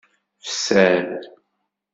Fser.